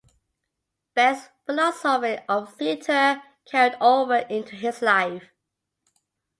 Beck's philosophy of theatre carried over into his life.